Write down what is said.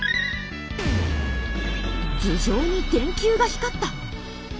頭上に電球が光った！